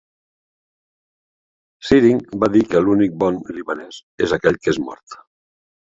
Syring va dir que l'únic bon libanès és aquell que és mort.